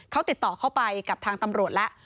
เขาติดต่อเข้าไปกับทางตำรวจแล้ว